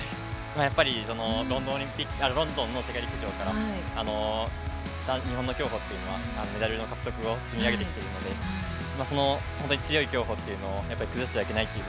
やっぱりロンドンの世界陸上から日本の競歩というのはメダルの獲得を積み上げてきているので、本当に強い競歩というのをやっぱり崩してはいけないという